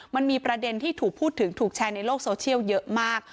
มันมีประเด็นที่ถูกพูดถึงถูกแชร์ในโลกโซเชียลเยอะมาก